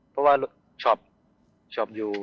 เพราะว่าชอบอยู่